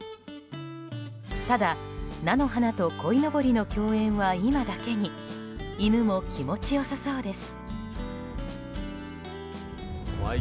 ただ、菜の花とこいのぼりの共演は今だけに犬も気持ちよさそうです。